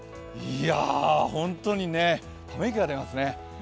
本当にね、ため息が出ますよね。